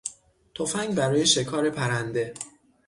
تفنگ برای شکار پرنده